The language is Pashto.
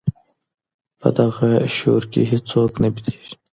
په دغه شور کي هیڅوک نه بېدېږي.